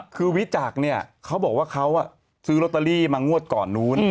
คือวิจักรเนี่ยเขาบอกว่าเขาซื้อลอตเตอรี่มางวดก่อนนู้น